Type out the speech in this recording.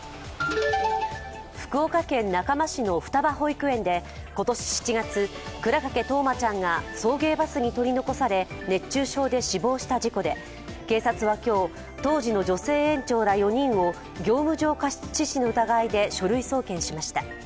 福岡県中間市の双葉保育園で今年７月、倉掛冬生ちゃんが送迎バスに取り残され熱中症で死亡した事故で、警察は今日、当時の女性園長ら４人を業務上過失致死の疑いで書類送検しました。